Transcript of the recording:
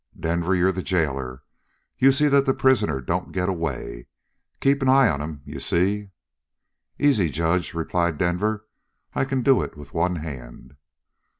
"Denver, you're the jailer. You see the prisoner don't get away. Keep an eye on him, you see?" "Easy, judge," replied Denver. "I can do it with one hand."